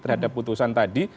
terhadap putusan tadi